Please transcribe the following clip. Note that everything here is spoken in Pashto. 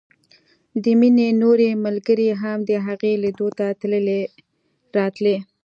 د مينې نورې ملګرې هم د هغې ليدلو ته تلې راتلې